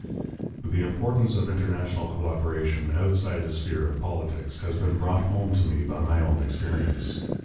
The importance of international coöperation outside the sphere of politics has been brought home to me by my own experience.